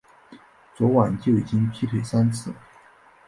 昨晚就已经劈腿三次